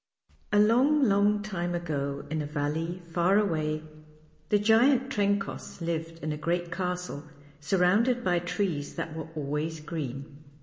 ALONG, long time ago, in a valley far away, the giant Trencoss lived in a great castle, surrounded by trees that were always green.